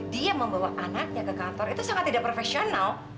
dia membawa anaknya ke kantor itu sangat tidak profesional